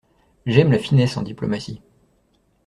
J'aime la finesse en diplomatie.